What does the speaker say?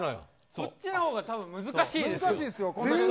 こっちのほうが多分、難しいですよ。